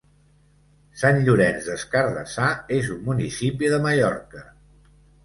Sant Llorenç des Cardassar és un municipi de Mallorca.